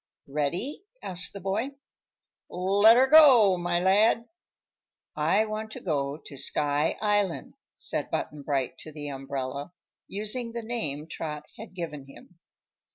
"Ready?" asked the boy. "Let'er go, my lad." "I want to go to Sky Island," said Button Bright to the umbrella, using the name Trot had given him.